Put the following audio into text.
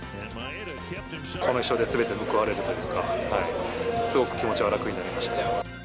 この１勝ですべて報われるというか、すごく気持ちが楽になりました。